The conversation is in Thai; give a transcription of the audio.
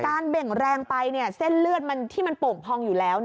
เบ่งแรงไปเส้นเลือดที่มันโป่งพองอยู่แล้ว